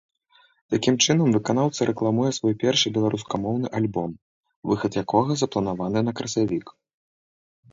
Такім чынам выканаўца рэкламуе свой першы беларускамоўны альбом, выхад якога запланаваны на красавік.